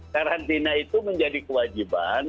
karantina itu menjadi kewajiban